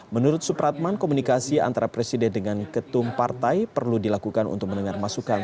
menurut supratman komunikasi antara presiden dengan ketum partai perlu dilakukan untuk mendengar masukan